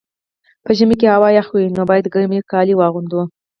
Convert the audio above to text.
په ژمي کي هوا یخه وي، نو باید ګرم کالي واغوندو.